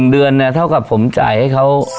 เดือนเนี่ยเท่ากับผมจ่ายให้เขา